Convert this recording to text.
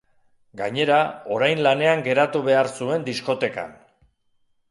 Gainera, orain lanean geratu behar zuen diskotekan.